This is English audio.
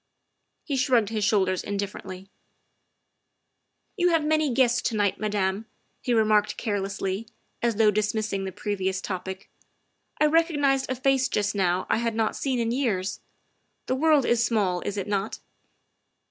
He shrugged his shoulders indifferently. " You have many guests to night, Madame," he re marked carelessly, as though dismissing the previous THE SECRETARY OF STATE 57 topic. " I recognized a face just now I had not seen in years. The world is small, is it not